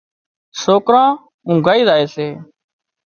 سوڪران اونگھائي زائي سي